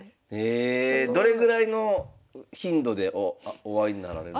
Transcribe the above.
どれぐらいの頻度でお会いになられるんですか？